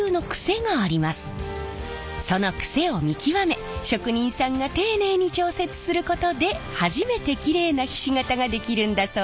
そのクセを見極め職人さんが丁寧に調節することで初めてキレイなひし形が出来るんだそうです。